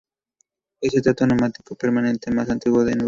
Es el teatro anatómico permanente más antiguo en Europa.